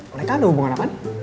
mereka ada hubungan apaan